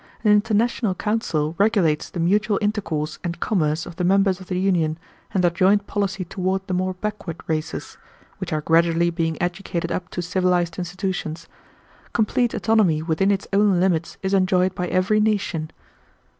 An international council regulates the mutual intercourse and commerce of the members of the union and their joint policy toward the more backward races, which are gradually being educated up to civilized institutions. Complete autonomy within its own limits is enjoyed by every nation."